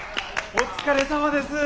お疲れさまです。